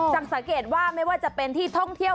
สังเกตว่าไม่ว่าจะเป็นที่ท่องเที่ยว